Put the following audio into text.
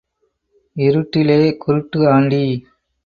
இருட்டிலே குருட்டு ஆண்டி.